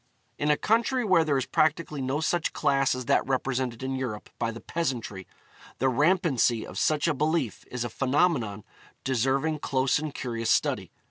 In a country where there is practically no such class as that represented in Europe by the peasantry, the rampancy of such a belief is a phenomenon deserving close and curious study.